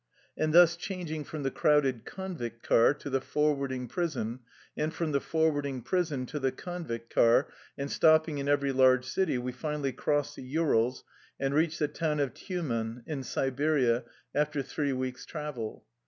And thus changing from the crowded convict car to the forwarding prison and from the forwarding prison to the convict car, and stopping in every large city, we finally crossed the Urals and reached the town of Tyu men, in Siberia, after three weeks' travel.